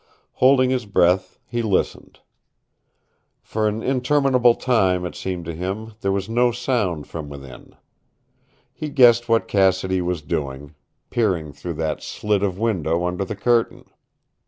Holding his breath, he listened. For an interminable time, it seemed to him, there was no sound from within. He guessed what Cassidy was doing peering through that slit of window under the curtain.